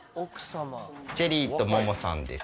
チェリーとモモさんです